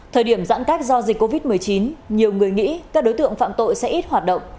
thời điểm giãn cách do dịch covid một mươi chín nhiều người nghĩ các đối tượng phạm tội sẽ ít hoạt động